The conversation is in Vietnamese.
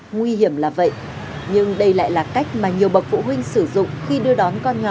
nguy hiểm là vậy nhưng đây lại là cách mà nhiều bậc phụ huynh sử dụng khi đưa đón con nhỏ